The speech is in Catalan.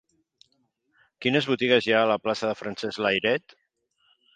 Quines botigues hi ha a la plaça de Francesc Layret?